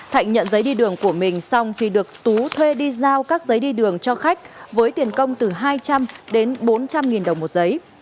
thạnh nhận giấy đi đường của mình xong khi được tú thuê đi giao các giấy đi đường cho khách với tiền công từ hai trăm linh đến bốn trăm linh nghìn đồng một giấy